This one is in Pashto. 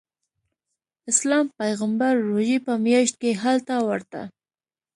اسلام پیغمبر روژې په میاشت کې هلته ورته.